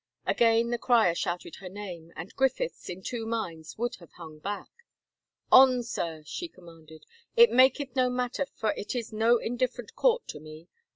Again the crier shouted her name, and Griffeths, in two minds, would have hung back. " On, sir," she commanded, " it maketh no matter, for it is no indifferent court to me. ...